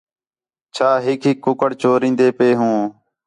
چھا ہِک ہِک کُکڑ چورین٘دے پئے ہوں